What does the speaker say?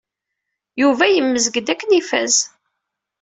Yuba yemyezg-d akken ifaz.